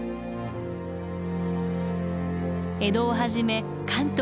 江戸をはじめ関東